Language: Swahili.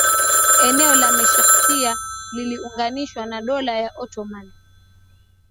eneo la Meskhetia liliunganishwa na Dola ya Ottoman